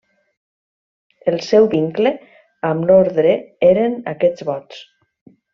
El seu vincle amb l'orde eren aquests vots.